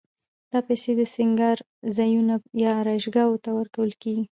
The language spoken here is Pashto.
دا پیسې سینګارځایونو یا آرایشګاوو ته ورکول کېږي